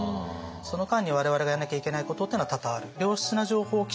その間に我々がやらなきゃいけないことっていうのは多々ある。